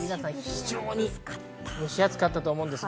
非常に蒸し暑かったと思います。